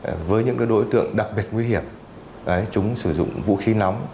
đối với những đối tượng đặc biệt nguy hiểm chúng sử dụng vũ khí nóng